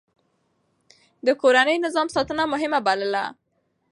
ده د کورني نظم ساتنه مهمه بلله.